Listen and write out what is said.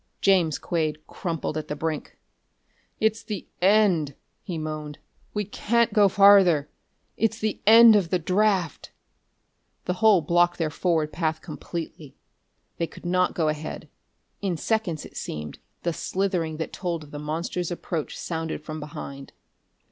James Quade crumpled at the brink; "It's the end!" he moaned. "We can't go farther! It's the end of the draft!" The hole blocked their forward path completely. They could not go ahead.... In seconds, it seemed, the slithering that told of the monster's approach sounded from behind.